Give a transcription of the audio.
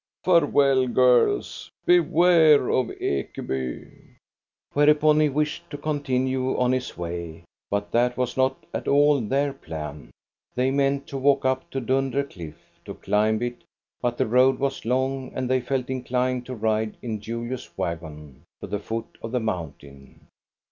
Fare well, girls; beware of Ekeby!" Whereupon he wished to continue on his way; but that was not at all their plan. They meant to walk up to Dunder Cliff, to climb it; but the road was long, and they felt inclined to ride in Julius' wagon to the foot of the mountain.